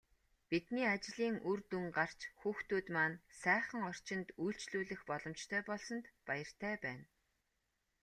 Бидний ажлын үр дүн гарч, хүүхдүүд маань сайхан орчинд үйлчлүүлэх боломжтой болсонд баяртай байна.